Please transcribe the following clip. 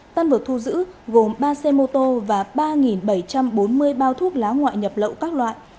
tăng vật thu giữ gồm ba xe mô tô và ba bảy trăm bốn mươi bao thuốc lá ngoại nhập lậu các loại